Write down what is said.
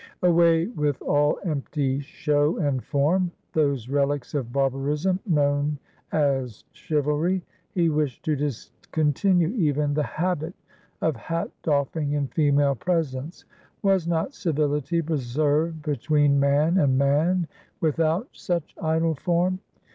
Away with all empty show and form, those relics of barbarism known as chivalry! He wished to discontinue even the habit of hat doffing in female presence. Was not civility preserved between man and man without such idle form?